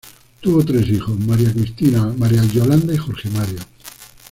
Tuvo tres hijos, María Cristina, María Yolanda, Jorge Mario.